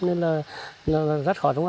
nên rất khó đúng